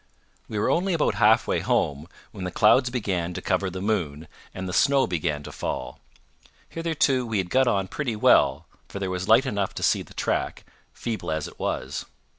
We were only about halfway home, when the clouds began to cover the moon, and the snow began to fall. Hitherto we had got on pretty well, for there was light enough to see the track, feeble as it was.